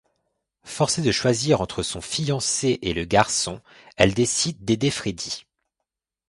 Forcée de choisir entre son fiancé et le garçon, elle décide d'aider Freddie.